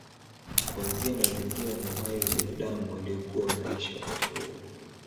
Kuanzia mazingira na uhai wa binadamu waliokuwa wanaishi wakati huo